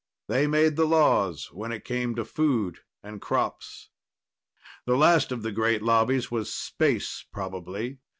They made the laws when it came to food and crops. The last of the great lobbies was Space, probably.